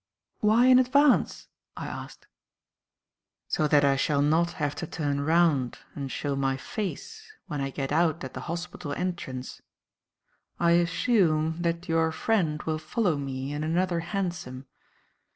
"Why in advance?" I asked. "So that I shall not have to turn round and show my face when I get out at the hospital entrance. I assume that your friend will follow me in another hansom.